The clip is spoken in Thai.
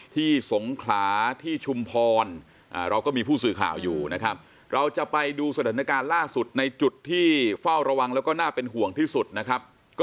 ที่สงขลาที่ชุมพรเราก็มีผู้สื่อข่าวอยู่นะครับ